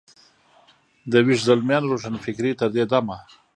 د ویښ زلمیانو روښانفکرۍ تر دې دمه.